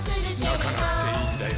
なかなくていいんだよ